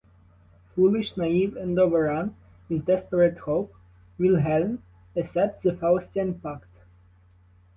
Foolish, naive, and overrun with desperate hope, Wilhelm accepts the Faustian pact.